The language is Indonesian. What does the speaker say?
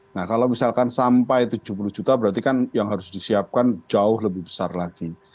nah kalau misalkan sampai tujuh puluh juta berarti kan yang harus disiapkan jauh lebih besar lagi